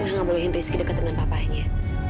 nggak boleh rizky deket dengan papanya